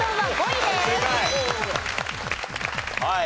はい。